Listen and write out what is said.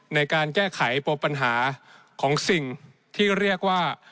ในการแก้ไขปปัญหาของสิ่งที่เรียกว่า